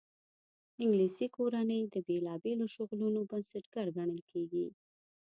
انګلیسي کورنۍ د بېلابېلو شغلونو بنسټګر ګڼل کېږي.